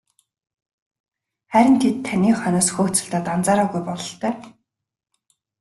Харин тэд таны хойноос хөөцөлдөөд анзаараагүй бололтой.